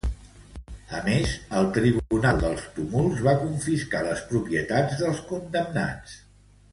A més, el Tribunal dels Tumults va confiscar les propietats dels condemnats.